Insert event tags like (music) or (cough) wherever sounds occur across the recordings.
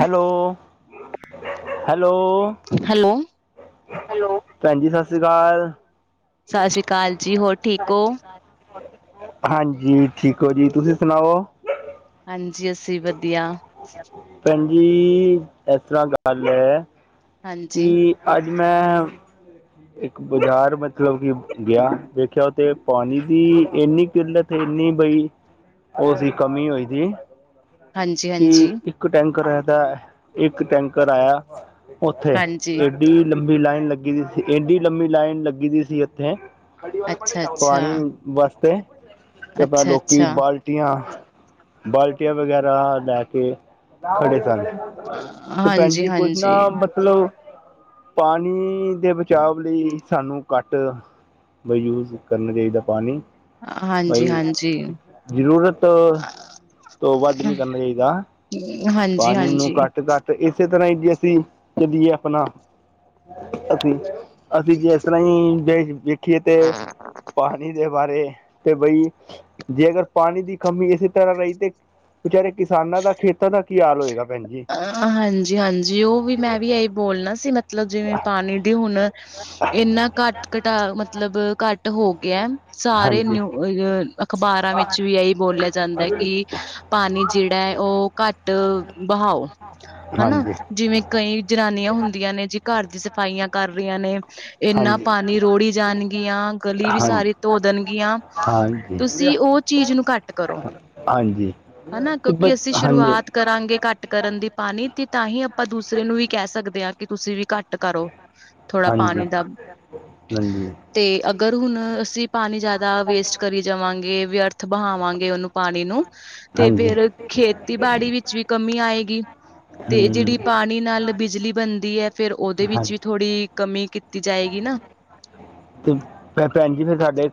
Hello hello. Hello. ਭੈਣ ਜੀ ਸਸ ਸ੍ਰੀ ਅਕਾਲ। ਸਤਿ ਸ਼੍ਰੀ ਅਕਾਲ ਜੀ ਹੋਰ ਠੀਕ ਹੋ? ਹਾਂਜੀ ਠੀਕ ਹੋ ਜੀ ਤੁਸੀਂ ਸੁਣਾਓ? ਹਾਂਜੀ ਅਸੀਂ ਵਧੀਆ। ਭੈਣ ਜੀ ਇਸ ਤਰ੍ਹਾਂ ਗੱਲ ਹੈ ਹਾਂਜੀ। ਕਿ ਅੱਜ ਮੈਂ ਇੱਕ ਬਾਜ਼ਾਰ ਮਤਲਬ ਕਿ ਗਿਆ ਦੇੇਖਿਆ ਤੇ ਪਾਣੀ ਦੀ ਇੰਨੀ ਕਿੱਲਤ। ਤੇ ਇੰਨੀ ਬਈ ਉਸਦੀ ਕਮੀ ਹੋਈ ਸੀ। ਹਾਂਜੀ, ਹਾਂਜੀ, ਕਿ ਇੱਕ ਟੈਂਕਰ (unintelligible) ਇੱਕ ਟੈਂਕਰ ਆਇਆ। ਉੱਥੇ ਹਾਂਜੀ, ਏਡੀ ਲੰਬੀ ਲਾਈਨ ਲੱਗੀ ਦੀ ਸੀ ਏਡੀ ਲੰਬੀ ਲਾਈਨ ਲੱਗੀ ਦੀ ਸੀ ਉੱਥੇ ਅੱਛਾ, (unintelligible) ਅੱਛਾ, ਪਾਣੀ ਵਾਸਤੇ ਤੇ ਆਪਣਾ ਅੱਛਾ, ਲੋਕੀ ਅੱਛਾ। ਬਾਲ ਆਂ ਬਾਲਟੀਆਂ ਵਗੈਰਾ ਲੈ ਕੇ ਅੜੇ ਸਾਲ। ਤੇ ਭੈਣ ਹਾਂਜੀ, ਜੀ, ਕੁਛ ਨਾ ਹਾਂਜੀ, ਮਤਲਬ ਪਾਣੀ ਦੇ ਵਿੱਚ ਚਾਹਵ ਲਈ ਸਾਨੂੰ ਘੱਟ ਯੂਜ ਕਰਨਾ ਚਾਹੀਦਾ ਪਾਣੀ। ਹਾਂਜੀ, ਬਈ, ਹਾਂਜੀ, ਜ਼ਰੂਰਤ। ਤੋਂ ਵੱਧ ਨੀ ਕਰਨਾ ਚਾਹੀਦਾ ਹਾਂਜੀ, ਪਾਣੀ ਨੂੰ ਹਾਂਜੀ। ਘੱਟ ਤਕ ਤੇ ਇਸੇ ਤਰ੍ਹਾਂ ਹੀ ਜੇ ਅਸੀਂ (unintelligible) ਆਪਣਾ ਅਸੀਂ ਅਸੀਂ ਜੇ ਇਸ ਤਰ੍ਹਾਂ ਹੀ (unintelligible) ਠੀ ਤੇ ਪਾਣੀ ਦੇ ਬਾਰੇ ਤੇ ਬਈ ਜੇ ਅਗਰ ਪਾਣੀ ਦੀ ਕਮੀ ਇਸੇ ਤਰ੍ਹਾਂ ਰਹੀ ਤੇ ਵਿਚਾਰੇ ਕਿਸਾਨਾਂ ਦਾ ਖੇਤਾਂ ਦਾ ਕੀ ਹਾਲ ਹੋਏਗਾ ਭੈਣ ਜੀ? ਅ ਹਾਂਜੀ-ਹਾਂਜੀ ਉਹ ਵੀ ਮੈਂ ਵੀ ਇਹੀ ਬੋਲਣਾ ਸੀ ਮਤਲਬ ਜਿਵੇਂ ਪਾਣੀ ਦੀ ਹੁਣ ਇੰਨਾ ਹਾਂਜੀ ਘੱਟ -ਘਟਾ ਮਤਲਬ ਘੱਟ ਹੋ। ਸਾਰੇ ਹਾਂਜੀ ਨਊ, ਅ- ਅਖ਼ਬਾਰਾਂ ਵਿੱਚ ਵੀ ਇਹੀ ਬੋਲਿਆ ਜਾਂਦਾ ਹੈ ਕਿ ਪਾਣੀ ਜਿਹੜਾ ਹੈ ਉਹ ਘੱਟ ਵਹਾਓ। ਹਨਾ। ਹਾਂਜੀ ਜਿਵੇਂ ਕਈ ਜਨਾਨੀਆਂ ਹੁੰਦੀਆਂ ਨੇ ਜੀ ਘਰ ਦੀ ਸਫਾਈਆਂ ਕਰ ਰਹੀਆਂ ਨੇ। ਇੰਨਾ ਪਾਣੀ ਰੋੜੀ ਜਾਣਗੀਆਂ। ਗਲੀ ਵੀ ਹਾਂਜੀ ਸਾਰੀ ਧੋ ਦੇਣਗੀਆਂ। ਹਾਂਜੀ ਤੁਸੀਂ ਉਹ ਚੀਜ਼ ਨੂੰ ਘੱਟ ਕਰੋ ਹਾਂਜੀ ਹਨਾ। ਤੇ ਕਿਉਂਕਿ ਬਸ ਅਸੀਂ ਹਾਂਜੀ ਸ਼ੁਰੂਆਤ ਕਰਾਂਗੇ ਘੱਟ ਕਰਨ ਦੀ ਪਾਣੀ ਤੇ ਤਾਂ ਹੀ ਆਪਾਂ ਦੂਸਰੇ ਨੂੰ ਵੀ ਕਹਿ ਸਕਦੇ ਹਾਂ ਕਿ ਤੁਸੀਂ ਵੀ ਘੱਟ ਟ ਕਰੋ। ਥੋੜਾ ਹਾਂਜੀ ਪਾਣੀ ਦਾ। ਹਾਂਜੀ ਤੇ ਅਗਰ ਹੁਣ ਅਸੀਂ ਪਾਣੀ ਜ਼ਿਆਦਾ ਵੇਸਟ ਕਰੀ ਜਾਵਾਂਗੇ। ਵਿਅਰਥ ਬਹਾਵਾਂਗੇ ਉਹਨੂੰ ਪਾਣੀ ਨੂੰ। ਤੇ ਹਾਂਜੀ ਫੇਰ ਖੇਤੀਬਾੜੀ ਵਿੱਚ ਵੀ ਕਮੀ ਆਏਗੀ। ਤੇ ਹੂੰ ਜਿਹੜੀ ਪਾਣੀ ਨਾਲ ਬਿਜਲੀ ਬਣਦੀ। ਹੈ ਫੇਰ ਉਹਦੇ ਵਿੱਚ ਹਾਂਜੀ ਵੀ ਥੋੜ੍ਹੀ ਕਮੀ ਕੀਤੀ ਜਾਏਗੀ ਨਾ। ਤੇ ਭੈਣ ਜੀ ਫਿਰ ਸਾਡੇ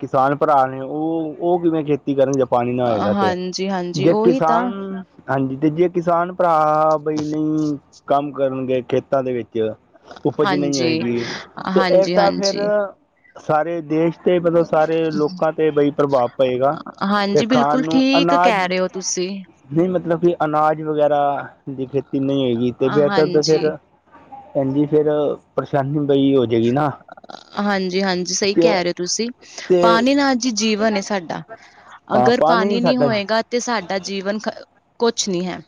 ਕਿਸਾਨ ਭਰਾ ਨੇ ਉਹ- ਉਹ ਕਿਵੇਂ ਖੇ ਕਿ ਕਰਣ ਜੇ ਪਾਣੀ ਨਾ ਹੋਏਗਾ। ਤੇ ਹਾਂਜੀ ਹਾਂਜੀ ਜੇ ਉਹੀ ਤਾਂ ਕਿਸਾਨ ਹਾਂਜੀ। ਤੇ ਜੇ ਕਿਸਾਨ ਭਰਾ ਬਈ ਨਹੀਂ ਕੰਮ ਕਰਨਗੇ ਖੇਤਾਂ ਦੇ ਵਿੱਚ। ਉਪਜ ਨਹੀਂ ਹਾਂਜੀ ਹੋਏਗੀ। ਤੇ ਇਹ ਹਾਂਜੀ ਤਾਂ ਫਿਰ ਹਾਂਜੀ ਸਾਰੇ ਦੇਸ਼ ਤੇ, ਮਤਲਬ ਸਾਰੇ ਲੋਕਾਂ ਤੇ ਬਈ ਪ੍ਰਭਾਵ ਪਏਗਾ। ਤੇ ਹਾਂਜੀ। ਖਾਣ ਬਿਲਕੁਲ ਨੂੰ ਠੀਕ ਅਨਾਜ ਕਹਿ ਰਹੇ ਹੋ ਤੁਸੀਂ। ਨਹੀਂ ਮਤਲਬ ਕਿ ਅਨਾਜ ਵਗੈਰਾ, ਦੀ ਖੇਤੀ ਨਹੀਂ ਹੋਏਗੀ। ਤੇ ਬਿਹਤਰ ਹਾਂਜੀ ਫਿਰ ਕਹਿੰਦੀ ਫੇਰ, ਪਰੇਸ਼ਾਨੀ ਬਈ ਹੋ ਜਏਗੀ ਨਾ। ਹਾਂਜੀ- ਹਾਂਜੀ ਸਹੀ ਤੇ ਕਹਿ ਰਹੇ ਤੁਸੀਂ। ਤੇ ਪਾਣੀ ਨਾਲ ਜੀ ਜੀਵਨ ਸਾਡਾ। ਹਾਂ ਅਗਰ ਪਾਣੀ ਨਹੀਂ ਸਾਡਾ ਹੋਏਗਾ। ਤੇ ਸਾਡਾ ਜੀਵਨ ਕੁਛ ਨਹੀਂ ਹੈ।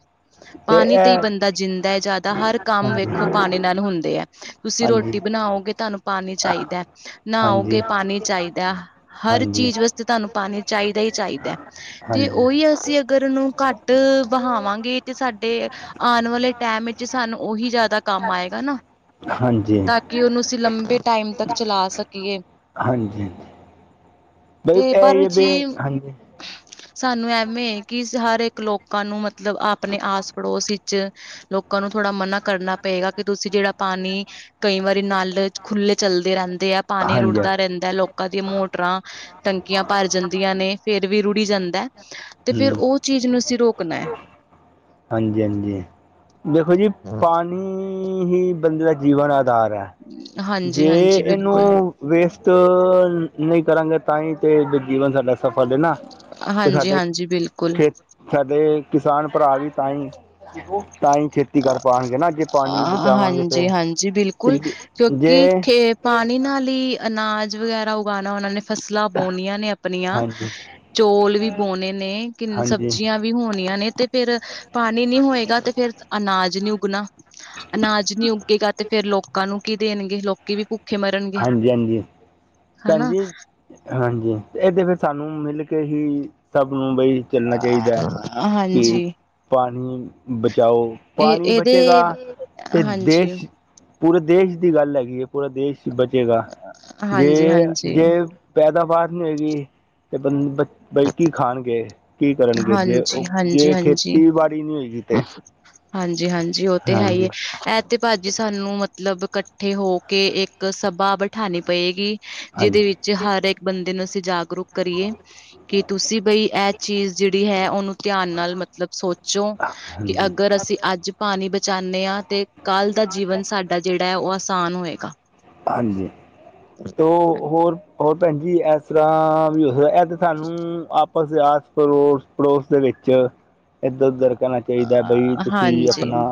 ਪਾਣੀ ਤੇ ਹੀ ਬੰਦਾ ਜਿੰਦਾ ਹੈ। ਜ਼ਿਆਦਾ ਹਰ ਕੰਮ ਹਾਂਜੀ ਵੇਖੋ ਪਾਣੀ ਨਾਲ ਹੁੰਦੇ ਹੈ। ਤੁਸੀਂ ਹਾਂਜੀ ਰੋਟੀ ਬਣਾਓਗੇ ਤੁਹਾਨੂੰ ਪਾਣੀ ਚਾਹੀਦਾ। ਹਾਂਜੀ ਨਾਓਗੇ ਪਾਣੀ ਚਾਹੀਦਾ। ਹਰ ਹਾਂਜੀ ਚੀਜ਼ ਵਾਸਤੇ ਤੁਹਾਨੂੰ ਪਾਣੀ ਚਾਹੀਦਾ ਹੀ ਚਾਹੀਦਾ। ਤੇ ਉਹੀ ਹਾਂਜੀ ਅਸੀਂ ਅਗਰ ਨੂੰ ਘੱਟ ਬਹਾਵਾਂਗੇ। ਤੇ ਸਾਡੇ, ਆਉਣ ਵਾਲੇ ਟੈਮ ਵਿੱਚ ਸਾਨੂੰ ਉਹੀ ਜ਼ਿਆਦਾ ਕੰਮ ਆਏਗਾ ਨਾ। ਹਾਂਜੀ। ਤਾਂ ਕਿ ਉਹਨੂੰ ਅਸੀਂ ਲੰਬੇ ਟਾਈਮ ਤੱਕ ਚਲਾ ਸਕੀਏ। ਹਾਂਜੀ, ਹਾਂਜੀ ਬਈ ਤੇ ਇਹ ਪਰ ਹੈ ਵੀ ਜੀ ਹਾਂਜੀ। ਸਾਨੂੰ ਐਵੇਂ ਕਿ ਹਰ ਇੱਕ ਲੋਕਾਂ ਨੂੰ ਮਤਲਬ ਆਪਣੇ ਆਸ ਪੜੋਸ ਵਿੱਚ ਲੋਕਾਂ ਨੂੰ ਥੋੜ੍ਹਾ ਮਨਾ ਕਰਨਾ ਪਏਗਾ ਕਿ ਤੁਸੀਂ ਜਿਹੜਾ ਪਾਣੀ ਕਈ ਵਾਰੀ ਨਾਲ ਖੁੱਲ੍ਹੇ ਚੱਲਦੇ ਰਹਿੰਦੇ ਆ, ਪਾਣੀ ਹਾਂਜੀ ਰੁੜਦਾ ਰਹਿੰਦਾ। ਲੋਕ ਲੋਕਾਂ ਦੀਆਂ ਮੋਟਰਾਂ, ਟੰਕੀਆਂ ਭਰ ਜਾਂਦੀਆਂ ਨੇ, ਫੇਰ ਵੀ ਰੁੜੀ ਜਾਂਦਾ। ਤੇ ਫੇਰ ਹੂੰ ਉਹ ਚੀਜ਼ ਨੂੰ ਅਸੀਂ ਰੋਕਣਾ ਹੈ। ਹਾਂਜੀ- ਹਾਂਜੀ, ਦੇਖੋ ਜੀ, ਹੈ। ਪੰਜ ਹੀ, ਬੰਦੇ ਦਾ ਜੀਵਨ ਆਧਾਰ ਹੈ। ਹਾਂਜੀ ਜੇ ਹਾਂਜੀ ਇਹਨੂੰ ਬਿਲਕੁਲ ਵੇਸਟ ਨਹੀਂ ਕਰਾਂਗੇ ਤਾਂ ਹੀ ਤੇ ਜੀਵਨ ਸਾਡਾ ਸਫਲ ਹੈ ਨਾ। ਤੇ ਹਾਂਜੀ ਸਾਡੇ ਹਾਂਜੀ ਬਿਲਕੁਲ ਖੇਤ ਸਾਡੇ ਕਿਸਾਨ ਭਰਾ ਵੀ ਤਾਂਹੀ ਤਾਂ ਹੀ ਖੇਤੀ ਕਰ ਪਾਨਗੇ ਨਾ, ਜੇ ਪਾਣੀ ਬਚਾਵਾਂਗੇ। ਹਾਂਜੀ ਤੇ, ਹਾਂਜੀ ਤੇ ਬਿਲਕੁਲ ਕਿਉਂਕਿ ਜੇ ਖੇ ਪਾਣੀ ਨਾਲ ਹੀ ਅਨਾਜ ਵਗੈਰਾ ਉਗਾਉਣਾ ਉਹਨਾਂ ਨੇ। ਫਸਲਾਂ ਬੋਣੀਆਂ ਨੇ ਅਪਣੀਆਂ, ਹਾਂਜੀ ਚੌਲ ਵੀ ਬੋਣੇ ਨੇ ਕਿ ਹਾਂਜੀ ਸਬਜ਼ੀਆਂ ਵੀ ਹੋਣੀਆਂ ਨੇ ਤੇ ਫੇਰ ਪਾਣੀ ਨੀ ਹੋਏਗਾ ਤੇ ਫੇਰ ਅਨਾਜ ਨੀ ਉੱਗਣਾ। ਅਨਾਜ ਨੀ ਉੱਗੇਗਾ ਤੇ ਫੇਰ ਲੋਕਾਂ ਨੂੰ ਕੀ ਦੇਣਗੇ ਲੋਕੀ ਵੀ ਭੁ ਹਾਂਜੀ- ਹਾਂਜੀ ਹਨਾ ਭੈਜੀ। ਹਾਂਜੀ, ਇਹ ਤੇ ਫਿਰ ਸਾਨੂੰ ਮਿਲ ਕੇ ਹੀ ਸਭ ਨੂੰ ਬਈ ਚੱਲਣਾ ਚਾਹੀਦਾ ਹੈ, ਕਿ ਹਾਂਜੀ ਪਾਣੀ ਬਚਾਓ, ਇਹ ਪਾਣੀ ਇਹਦੇ ਬਚੇਗਾ, ਤੇ ਹਾਂਜੀ ਦੇਸ਼ ਪੂਰੇ ਦੇਸ਼ ਦੀ ਗੱਲ ਹੈਗੀ ਹੈ ਪੂਰਾ ਦੇਸ਼ ਬਚੇਗਾ। ਹਾਂਜੀ ਜੇ ਹਾਂਜੀ ਹਾਂਜੀ ਜੇ ਪੈਦਾਵਾਰ ਨਹੀਂ ਹੈਗੀ ਤੇ ਬੰ ਬਲਕੀ ਖਾਣਗੇ ਕੀ ਕਰਨਗੇ ਜੇ ਹਾਂਜੀ ਜੇ ਹਾਂਜੀ ਖੇਤੀਬਾੜੀ ਨਹੀਂ ਹੋਏਗੀ ਤੇ ਹਾਂਜੀ -ਹਾਂਜੀ, ਉਹ ਤੇ ਹੈ ਹੀ ਹਾਂਜੀ ਹੈ ਇਹ ਤੇ ਭਾਜੀ ਸਾਨੂੰ ਮਤਲਬ ਇਕੱਠੇ ਹੋ ਕੇ ਇੱਕ ਸਭਾ ਬਿਠਾਨੀ ਪਏਗੀ ਜਿਹਦੇ ਹਾਂਜੀ ਵਿੱਚ ਹਰ ਇੱਕ ਬੰਦੇ ਨੂੰ ਅਸੀਂ ਜਾਗਰੂਕ ਕਰੀਏ ਕਿ ਤੁਸੀਂ ਬਈ ਇਹ ਚੀਜ਼ ਜਿਹੜੀ ਹੈ ਉਹਨੂੰ ਧਿਆਨ ਨਾਲ ਮਤਲਬ ਸੋਚੋ ਕਿ ਅੱ ਹਾਂਜੀ ਅਗਰ ਅਸੀਂ ਅੱਜ ਪਾਣੀ ਬਚਾਨੇ ਹਾਂ ਤੇ ਕੱਲ੍ਹ ਦਾ ਜੀਵਨ ਸਾਡਾ ਜਿਹੜਾ ਹੈ ਉਹ ਆਸਾਨ ਹੋਏਗਾ ਹਾਂਜੀ, ਤ ਹੋਰ ਹੋਰ ਭੈਣ ਜ ਇਸ ਤਰ੍ਹਾਂ ਵੀ ਇਹ ਤੇ ਤੁਹਾਨੂੰ ਆਪਸ ਦੇ ਆਸ ਪੋਸ ਪੜੋਸ ਦੇ ਵਿੱਚ ਇੱਧਰ ਉਧਰ ਕਹਿਣਾ ਚਾਹੀਦਾ ਬਈ ਤੁਸੀਂ ਹਾਂਜੀ, ਅਪਣਾ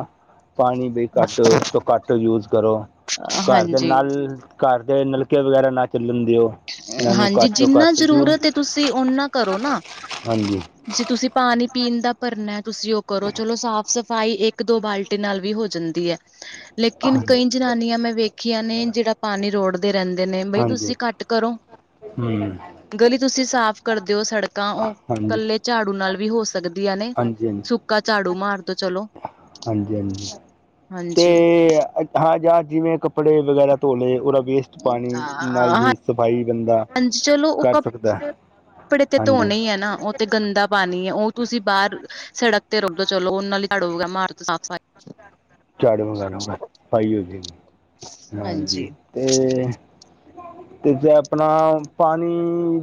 ਪਾਣੀ ਬਈ ਘਟ ਤੋਂ ਘਟ ਯੂਜ ਕਰੋ ਘਰ ਹਾਂਜੀ ਨਾਲ ਘਰ ਦੇ ਨਲਕੇ ਵਗੈਰਾ ਨਾ ਚੱਲਣ ਦਿਓ ਇਹਨਾਂ ਨੂੰ ਹਾਂਜੀ, ਘੱਟ ਤੋਂ ਜਿੰਨਾ ਘੱਟ ਜੂ ਜ਼ਰੂਰਤ ਹੈ ਤੁਸੀਂ ਓਨਾ ਕਰੋ ਨਾ ਹਾਂਜੀ ਜੇ ਤੁਸੀਂ ਪਾਣੀ ਪੀਣ ਦਾ ਭਰਨਾ ਹੈ ਤੁਸੀਂ ਉਹ ਕਰੋ ਚਲੋ ਸਾਫ਼ ਸਫ਼ਾਈ ਇੱਕ ਦੋ ਬਾਲਟੀ ਨਾਲ ਵੀ ਹੋ ਜਾਂਦੀ ਹੈ (inaudible) ਲੇਕਿਨ ਕਈ ਜਨਾਨੀਆਂ ਮੈਂ ਵੇਖੀਆਂ ਨੇ, ਜਿਹੜਾ ਪਾਣੀ ਰੋੜਦੇ ਰਹਿੰਦੇ ਨੇ ਬਈ ਹਾਂਜੀ ਤੁਸੀਂ ਘੱਟ ਕਰੋ, ਹਮ ਹਾਂਜੀ ਗਲੀ ਤੁਸੀਂ ਸਾਫ ਕਰਦੇ ਹੋ ਸੜਕਾਂ ਉਹ ਹਾਂਜੀ ਕੱਲੇ ਝਾੜੂ ਨਾਲ ਵੀ ਹੋ ਸਕਦੀਆਂ ਨੇ, ਹਾਂਜੀ ਸੁੱਕਾ ਝਾੜੂ ਮਾਰਦੋ ਚਲੋ ਹਾਂਜੀ -ਹਾਂਜੀ ਹਾਂਜੀ ਤੇ ਹਾਂ ਯ ਜਿਵੇਂ ਕੱਪੜੇ ਵਗੈਰਾ ਧੋ ਲਏ, ਉਹਦਾ ਵੇਸਟ ਪਾਣੀ ਨਾਲ ਹਾਂ ਵੀ ਸਫਾਈ ਬੰਦਾ ਹਾਂਜੀ, ਚਲੋ ਉਹ ਕਰ ਕ ਸਕਦਾ ਹੈ ਕੱਪੜੇ ਤੇ ਹਾਂਜੀ ਧੋਣੇ ਹੀ ਆ ਨਾ ਤੇ ਗੰਦਾ ਪਾਣੀ ਹੈ ਉਹ ਤੁਸੀਂ ਬਾਹਰ ਸੜਕ ਤੇ ਰੁਲੋ ਚਲੋ ਉਹਨਾਂ ਹੀ ੜੋਗਾ ਮਾਰ ਤੋਂ ਸਾਫ਼ ਸਫ਼ਾਈ ਚਾੜੂ ਮੰਗਵਾ ਲਗਾ ਸਫਾਈ ਹੋ ਜਾਵੇਗੀ ਹਾਂਜੀ ਤੇ (inaudible) ਤੇ ਜੇ ਆਪਣਾ ਪਾਣੀ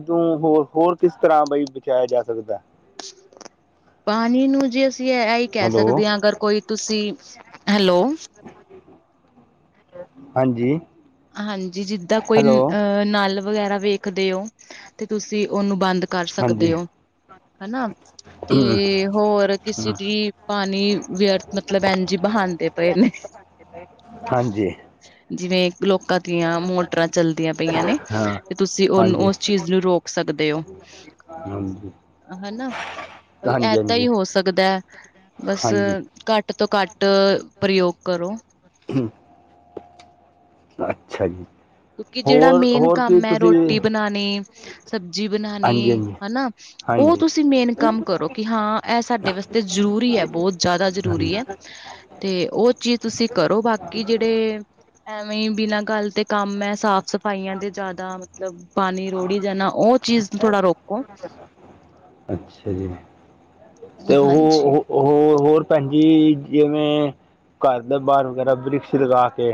ਤੋਂ ਹੋਰ ਹੋਰ ਕਿਸ ਤਰ੍ਹਾਂ ਬਈ ਬਚਾਇਆ ਜਾ ਸਕਦਾ? ਪਾਣੀ ਨੂੰ ਜੇ ਅਸੀਂ ਇਹਹੀ ਕਹਿ ਹੈਲੋ ਸਕਦੇ ਹਾਂ ਅਗਰ ਕੋਈ ਤੁਸੀਂ, ਹੈਲੋ। ਹਾਂਜੀ। ਹਾਂਜੀ, ਜਿੱਦਾਂ ਕੋਈ ਹੈਲੋ ਅਹ ਨਲ ਵਗੈਰਾ ਵੇਖਦੇ ਹੋ ਤੇ ਤੁਸੀਂ ਉਹਨੂੰ ਬੰਦ ਕਰ ਸਕਦੇ ਹਾਂਜੀ ਹੋ ਹੈਨਾ। ਤੇ ਹੋਰ ਕਿਸੇ ਦੀ ਪਾਣੀ ਵਿਅਰਥ ਮਤਲਬ ਏਜੀ ਬਹਾਉਂਦੇ ਪਏ ਨੇ ਹਾਂਜੀ ਜਿਵੇਂ ਲੋਕਾਂ ਦੀਆਂ ਮੋਟਰਾਂ ਚਲਦੀਆਂ ਪਈਆਂ ਨੇ ਹਾਂ ਤੇ ਤੁਸੀਂ ਉਹਨੂੰ ਉਸ ਚੀਜ਼ ਨੂੰ ਰੋਕ ਸਕਦੇ ਹੋ ਹਾਂ ਹਾਂਜੀ ਹਨਾ, ਬਈ ਹਾਂਜੀ ਏਦਾਂ ਹੀ ਹਾਂਜੀ ਹੋ ਸਕਦਾ, ਬਸ ਹਾਂਜੀ ਘੱਟ ਤੋਂ ਘੱਟ ਪ੍ਰਯੋਗ ਕਰੋ ਹਮ ਅੱਛਾ ਜੀ ਕਿਉਂਕਿ ਜਿਹੜਾ ਹੋਰ ਮੇਨ ਹੋਰ ਕੀ ਕੰਮ ਹੈ ਤੁਸੀਂ ਰੋਟੀ ਬਣਾਉਣੀ, ਸਬਜ਼ੀ ਬਣਾਉਣੀ ਹਾਂਜੀ ਹਾਂਜੀ ਹਨਾ ਉਹ ਹਾਂਜੀ ਤੁਸੀਂ ਮੇਨ ਕੰਮ ਕਰੋ ਕਿ ਹਾਂ ਇਹ ਸਾਡੇ ਵਾਸਤੇ ਜ਼ਰੂਰੀ ਹੈ ਬਹੁਤ ਜ਼ਿਆਦਾ ਜ਼ਰੂਰੀ ਹੈ। ਹਾਂਜੀ। ਤੇ ਉਹ ਚੀਜ਼ ਤੁਸੀਂ ਕਰੋ ਬਾਕੀ ਜਿਹੜੇ ਐਵੇਂ ਹੀ ਬਿਨਾਂ ਗੱਲ ਤੇ ਕੰਮ ਹੈ ਸਾਫ਼ ਸਫਾਈਆਂ ਦੇ ਜ਼ਿਆਦਾ ਮਤਲਬ ਪਾਣੀ ਰੋੜੀ ਜਾਣਾ, ਉਹ ਚੀਜ਼ ਥੋੜਾ ਰੋਕੋ। ਅੱਛਾ ਜੀ, ਤੇ ਹਾਂਜੀ ਉਹ-ਉਹ ਉਹ ਹੋਰ ਭੈਣ ਜੀ, ਜਿਵੇਂ ਘਰ ਦੇ ਬਾਹਰ ਵਗੈਰਾ ਵ੍ਰਿਸ਼ ਲਗਾ ਕੇ।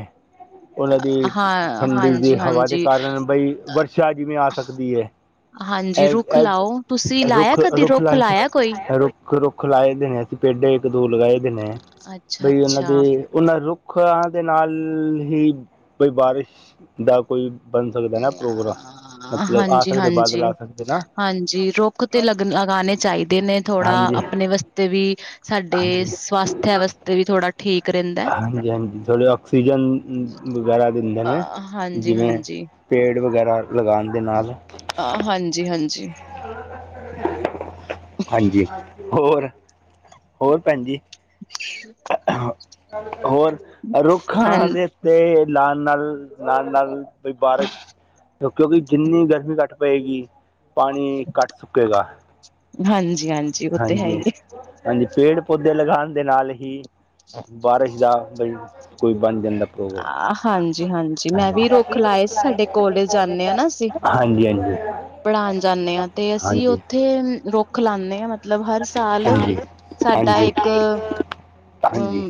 ਉਹਨਾਂ ਦੀ ਹਾਂ ਠੰਡੀ ਦੀ ਹਾਂਜੀ ਹਵਾ ਦੇ ਹਾਂਜੀ ਕਾਰਨ ਬਈ ਵਰਸ਼ਾ ਜਿਵੇਂ ਆ ਸਕਦੀ ਹੈ। ਹਾਂਜੀ ਰੁੱਖ ਲਾਓ ਇਹ-ਇਹ ਤੁਸੀਂ ਲਾਇਆ ਕਦੀ ਰੁੱਖ-ਰੁੱਖ ਰੁੱਖ ਕੋਈ ਲਾਇਆ ਰੁੱਖ ਰੁੱਖ ਲਾਏ ਦੇਣੇ ਅਸੀਂ ਪੇਡੇ ਇੱਕ-ਦੋ ਲਗਾਏ ਦੇ ਨੇ, ਅੱਛਾ ਬਈ ਉਹਨਾਂ ਅੱਛਾ ਦੇ ਉਹਨਾਂ ਰੁੱਖਾ ਦੇ ਨਾਲ ਹੀ ਬਈ ਬਾਰਿਸ਼ ਦਾ ਕੋਈ ਬਣ ਸਕਦਾ ਨਾ ਪ੍ਰੋਗਰਾਮ ਮਤਲਬ ਆ ਹਾਂਜੀ ਸਕਦੇ ਬਾਦਲ ਹਾਂਜੀ ਆ ਸਕਦੇ ਨਾ। ਹਾਂਜੀ ਰੁੱਖ ਤੇ ਲਗ ਲਗਾਉਣੇ ਚਾਹੀਦੇ ਨੇ ਥੋੜਾ ਹਾਂਜੀ ਆਪਣੇ ਵਸਤ ਤੇ ਵੀ ਸਾਡੇ ਹਾਂਜੀ ਸਵਾਸਥਿਆ ਵਾਸਤੇ ਵੀ ਥੋੜਾ ਠੀਕ ਰਹਿੰਦਾ। ਹਾਂਜੀ-ਹਾਂਜੀ, ਥੋੜੀ ਆਕਸੀਜਨ ਵਗੈਰਾ ਦਿੰਦੇ ਨੇ ਹਾਂਜੀ ਹਾਂਜੀ ਜਿਵੇਂ ਹਾਂਜੀ ਪੇੜ ਵਗੈਰਾ ਲਗਾਉਣ ਦੇ ਨਾਲ। ਆ ਹਾਂਜੀ-ਹਾਂਜੀ। ਥੋੜਾ (unintelligible) ਹਾਂਜੀ ਹੋਰ-ਹੋਰ ਭੈਣ ਜੀ। ਹੋਰ, ਹਾਂ ਰੁੱਖਾਂ ਦੇ ਉਤੇ ਲਾਣ ਨਾਲ ਨਾਲ-ਨਾਲ ਬਈ ਬਾਰਿਸ਼ ਕਿਉਂਕਿ ਜਿੰਨੀ ਗਰਮੀ ਘੱਟ ਪਏਗੀ ਪਾਣੀ ਘਟ ਸੁੱਕੇਗਾ, ਹਾਂਜੀ ਉਹ ਤੇ ਹੈ ਹਾਂਜੀ। ਹੀ ਹਾਂਜੀ, ਪੇੜ-ਪੌਦੇ ਲਗਾਉਣ ਦੇ ਨਾਲ ਹੀ ਬਾਰਿਸ਼ ਦਾ ਬਈ ਕੋਈ ਬਣ ਜਾਂਦਾ ਪ੍ਰੋਗਰਾਮ, ਹਾਂਜੀ ਮੈਂ ਹਾਂਜੀ ਵੀ ਰੁੱਖ ਕਾਫੀ ਲਾਏ ਸੀ ਲਗਾਏ ਸਾਡੇ ਨੇ ਕੋਲਜ ਪੇੜ-ਪੌਦੇ ਹਾਂਜੀ-ਹਾਂਜੀ। ਪੜ੍ਹਾਹਨ ਜਾਂਨੇ ਹਾਂ ਤੇ ਅਸੀਂ ਉੱਥੇ ਰੁੱਖ ਲਾਦੇ ਹਾਂ ਮਤਲਬ ਹਰ ਸਾਲ ਹਾਂਜੀ ਹਾਂਜੀ ਸਾਡਾ ਹਾਂਜੀ ਇੱਕ ਹਾਂਜੀ ਅਮ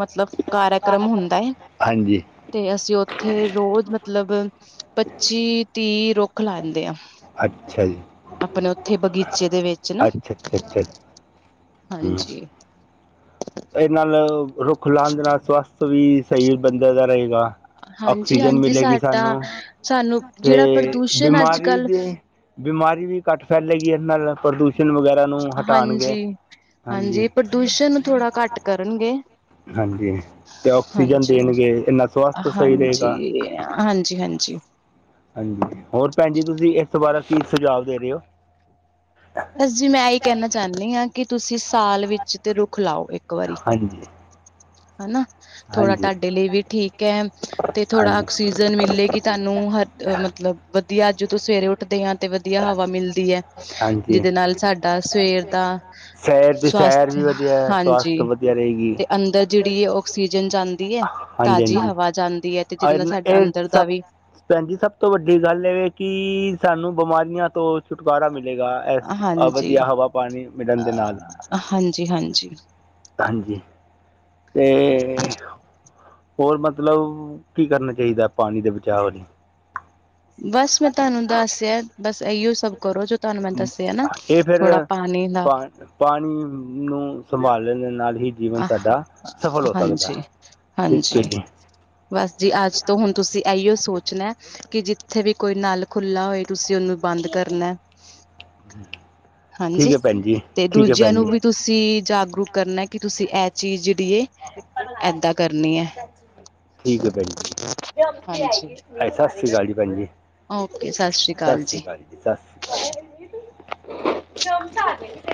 ਮਤਲਬ ਕਾਰਯਕਰਮ ਹੁੰਦਾ ਹੈ। ਹਾਂਜੀ। ਤੇ ਅਸੀਂ ਉੱਥੇ ਰੋਜ਼ ਮਤਲਬ ਪੱਚੀ-ਤੀਹ ਰੁਖ ਰੁਖ ਲਾਂਦੇ ਆ, ਅੱਛਾ ਜੀ ਆਪਣੇ ਉੱਥੇ ਬਗੀਚੇ ਦੇ ਵਿੱਚ ਨਾ। ਅੱਛਾ ਅੱਛਾ ਅੱਛਾ ਹੂੰ ਹਾਂਜੀ। ਇਹ ਨਾਲ ਰੁੱਖ ਲਾਉਣ ਨਾਲ ਸਵੱਸਥ ਵੀ ਸਹੀ ਬੰਦੇ ਦਾ ਰਹੇਗਾ। ਹਾਂਜੀ ਆਕਸੀਜਨ ਹਾਂਜੀ ਮਿਲੇਗੀ ਸਾਡਾ ਸਾਨੂੰ ਸਾਨੂੰ ਤੇ ਜਿਹੜਾ ਪ੍ਰਦੂਸ਼ਣ ਅੱਜ ਬਿਮਾਰੀ ਕੱਲ ਦੇ ਬਿਮਾਰੀ ਵੀ ਘੱਟ ਫੈਲੇਗੀ ਇਹ ਨਾਲ ਪ੍ਰਦੂਸ਼ਣ ਵਗੈਰਾ ਨੂੰ ਹਟਾਉਣਗੇ, ਹਾਂਜੀ। ਪੋਲੂਸ਼ਨ ਨੂੰ ਥੋੜਾ ਘੱਟ ਕਰਨਗੇ। ਹਾਂਜੀ, ਤੇ ਆਕਸੀਜਨ ਹਾਂਜੀ ਦੇਣਗੇ ਇੰਨਾ ਸਵਸਥ ਸਹੀ ਰਹੇਗਾ। ਇਹ ਹਾਂਜੀ-ਹਾਂਜੀ। ਹਾਂਜੀ, ਹੋਰ ਭੈਣ ਜੀ, ਤੁਸੀਂ ਇਸ ਬਾਰੇ ਕੀ ਸੁਝਾਵ ਦੇ ਰਹੇ ਹੋ? ਬਸ ਜੀ ਮੈਂ ਇਹੀ ਕਹਿਣਾ ਚਾਹਨੀ ਹਾਂ ਕਿ ਤੁਸੀਂ ਸਾਲ ਵਿੱਚ ਤੇ ਰੁੱਖ ਲਾਓ ਇੱਕ। ਹਾਂਜੀ। ਹੈਨਾ। ਥੋੜਾ ਹਾਂਜੀ ਤੁਹਾਡੇ ਲਈ ਵੀ ਠੀਕ ਹੈ, ਤੇ ਥੋੜਾ ਹਾਂਜੀ ਆਕਸੀਜਨ ਮਿਲੇਗੀ ਤੁਹਾਨੂੰ ਹਰ ਮਤਲਬ ਵਧੀਆੱ ਜਦੋ ਸਵੇਰੇ ਉੱਠਦੇ ਹਾਂ, ਤੇ ਵਧੀਆ ਹਵਾ ਮਿਲਦੀ ਹੈ ਹਾਂਜੀ ਜਿਹਦੇ ਨਾਲ ਸਾਡਾ ਸਵੇਰ ਦਾ ਸੈਰ ਦੀ ਸੈਰ ਸਵਸਥ, ਵੀ ਵਧੀਆ ਹੈ, ਸਵਾਸਥ ਹਾਂਜੀ ਵਧੀਆ ਰਹੇਗੀ ਤੇ ਅੰਦਰ ਜਿਹੜੀ ਔ ਆਕਸੀਜਨ ਜਾਂਦੀ ਹੈ, ਹਾਂਜੀ ਤਾਜ਼ੀ ਹਾਂਜੀ ਹਵਾ ਜਾਂਦੀ ਹੈ, ਤੇ ਜਿਹਦੇ ਨਾਲ ਔਰ ਸਾਡਾ ਇਹ ਅੰਦਰ ਦਾ ਸਭ ਵੀ ਭੈਣ ਜੀ, ਸਭ ਤੋਂ ਵੱਡੀ ਗੱਲ ਏ ਕਿ- ਸਾਨੂੰ ਬਿਮਾਰੀਆਂ ਤੋਂ ਛੁਟਕਾਰਾ ਮਿਲੇਗਾ ਏਸ, ਵਧੀਆ ਹਵਾ, ਪਾਣੀ ਮਿਲਣ ਦੇ ਨਾਲ ਹਾਂਜੀ, ਹਾਂਜੀ ਹਾਂਜੀ, ਤੇ ਹੋਰ ਮਤਲਬ, ਕੀ ਕਰਨਾ ਚਾਹੀਦਾ? ਪਾਣੀ ਦੇ ਬਚਾਅ ਲਈ। ਬਸ ਮੈਂ ਤੁਹਾਨੂੰ ਦੱਸਯਾਂ, ਬਸ ਏਹੀਓ ਸਭ ਕਰੋ ਤੁਹਾਨੂੰ ਮੈਂ ਦੱਸਿਆ ਨਾ, ਇਹ ਫਿਰ ਥੋੜਾ ਪਾਣੀ ਦਾ ਪਾ ਪਾਣੀ ਨੂੰ ਸੰਭਾਲਣ ਦੇ ਨਾਲ ਹੀ ਜੀਵਨ ਸਾਡਾ, ਸਫਲ ਹੋ ਸਕਦੇ, ਹਾਂਜੀ-ਹਾਂਜੀ ਠੀਕ ਹੈ ਜੀ ਬਸ ਜੀ, ਆਜ ਤੋਂ ਹੁਣ ਤੁਸੀਂ ਏਹੀਓ ਸੋਚਣੈ ਕਿ, ਜਿੱਥੇ ਵੀ ਕੋਈ ਨਲ ਖੁੱਲਾ ਹੋਏ, ਤੁਸੀਂ ਨੂੰ ਬੰਦ ਕਰਨੈ ਠੀਕ ਹਾਂਜੀ, ਹੈ ਭੈਣ ਜੀ ਤੇ ਠੀਕ ਹੈ ਦੂਜਿਆਂ ਭੈਣ ਨੂੰ ਜੀ ਵੀ ਤੁਸ ਜਾਗਰੂਕ ਕਰਨਾ, ਕਿ ਤੁਸੀਂ ਐ ਚੀਜ਼ ਜਿਹੜੀ ਹੈ ਏਦਾਂ ਕਰਨੀ (unintelligible) ਠੀਕ ਹੈ ਭੈਣ ਜੀ (unintelligible) ਸਤਿ ਹਾਂਜੀ ਸ਼੍ਰੀ ਅਕਾਲ ਜੀ, ਭੈਣ ਜੀ, ਓਕੇ ਸਤਿ ਸ੍ਰੀ ਸਤਿ ਸ਼੍ਰੀ ਜੀ। ਅਕਾਲ (unintelligible)